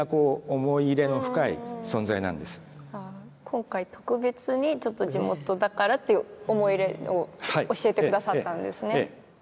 今回特別にちょっと地元だからっていう思い入れを教えて下さったんですね。